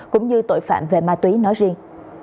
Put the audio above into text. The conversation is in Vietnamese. cũng như tội phạm về ma túy nói riêng